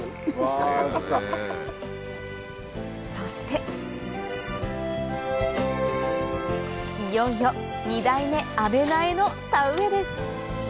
そしていよいよ２代目阿部苗の田植えです